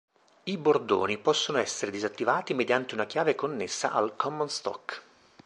I bordoni possono essere disattivati mediante una chiave connessa al common stock.